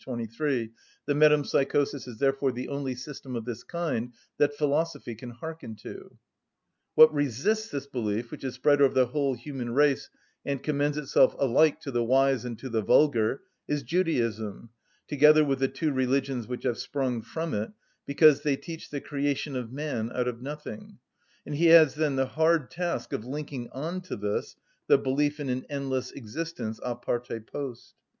23: "The metempsychosis is therefore the only system of this kind that philosophy can hearken to."(31) What resists this belief, which is spread over the whole human race and commends itself alike to the wise and to the vulgar, is Judaism, together with the two religions which have sprung from it, because they teach the creation of man out of nothing, and he has then the hard task of linking on to this the belief in an endless existence a parte post.